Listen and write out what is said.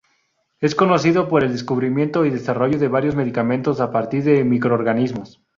Es conocido por el descubrimiento y desarrollo de varios medicamentos a partir de microorganismos.